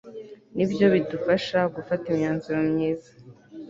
ni byo bidufasha gufata imyanzuro myiza